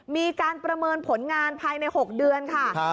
มีการประเมินผลงานภายใน๖เดือนค่ะ